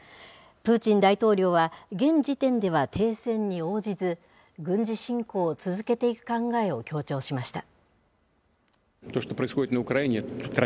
プーチン大統領は現時点では停戦に応じず、軍事侵攻を続けていく考えを強調しました。